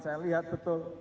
saya lihat betul